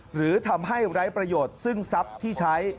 หรือทำให้ไร้ประโยชน์ซึ่งทรัพย์ที่ใช้